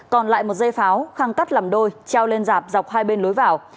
còn lại một dây pháo khang tắt làm đôi treo lên dạp dọc hai bên lối vào